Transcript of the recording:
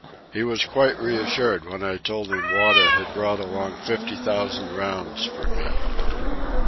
He was quite reassured when I told him Wada had brought along fifty thousand rounds for me.